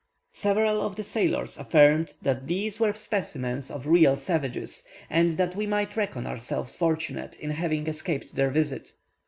Several of the sailors affirmed, that these were specimens of real savages, and that we might reckon ourselves fortunate in having escaped their visit.